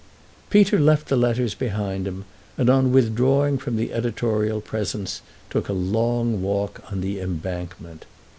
Peter left the letters behind him and, on withdrawing from the editorial presence, took a long walk on the Embankment.